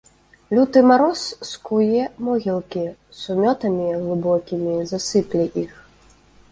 Люты мароз скуе могілкі, сумётамі глыбокімі засыпле іх.